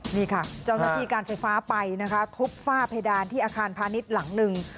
นี่ค่ะเจ้าหน้าที่การไฟฟ้าไปนะคะทุบฝ้าเพดานที่อาคารพาณิชย์หลังหนึ่ง